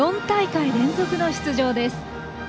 ４大会連続の出場です。